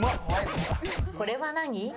これは何？